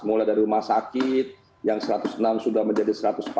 mulai dari rumah sakit yang satu ratus enam sudah menjadi satu ratus empat puluh